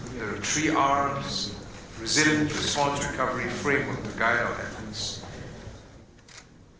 ada tiga r resilient response recovery framework untuk menguasai kemajuan kita